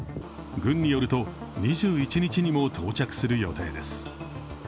軍によると２１日にも到着する予定です。